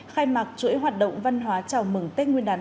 khai mạc chuỗi hoạt động văn hóa chào mừng tết nguyên đàn